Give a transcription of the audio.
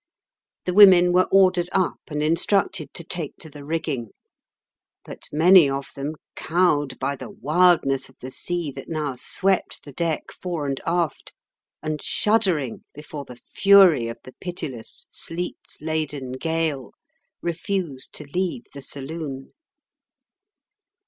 The women were ordered up and instructed to take to the rigging, but many of them, cowed by the wildness of the sea that now swept the deck fore and aft, and shuddering before the fury of the pitiless, sleet laden gale, refused to leave the saloon.